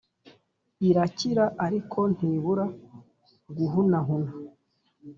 irakira ariko ntibura guhunahuna